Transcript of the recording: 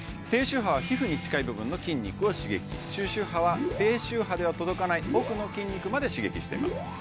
低周波は皮膚に近い部分の筋肉を刺激中周波は低周波では届かない奥の筋肉まで刺激しています